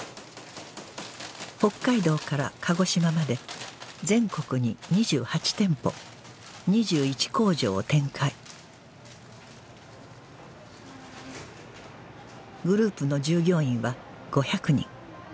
北海道から鹿児島まで全国に２８店舗２１工場を展開グループの従業員は５００人